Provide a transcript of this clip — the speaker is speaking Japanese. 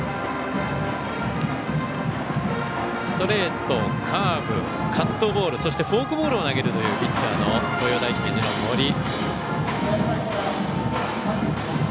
ストレート、カーブカットボールそしてフォークボールを投げるというピッチャーの東洋大姫路の森。